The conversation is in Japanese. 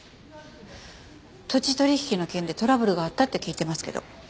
土地取引の件でトラブルがあったって聞いてますけど。